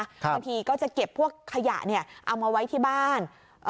บางทีก็จะเก็บพวกขยะเอามาไว้ที่บ้าน